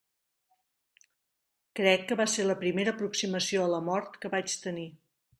Crec que va ser la primera aproximació a la mort que vaig tenir.